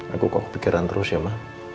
aku kok kepikiran terus ya mak